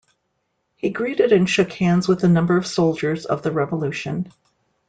He greeted and shook hands with a number of soldiers of the Revolution.